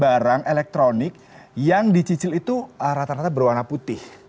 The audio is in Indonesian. barang elektronik yang dicicil itu rata rata berwarna putih